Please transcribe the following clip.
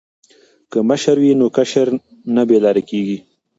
که مشر وي نو کشر نه بې لارې کیږي.